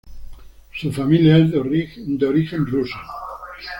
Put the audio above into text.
Su familia es de origen ruso.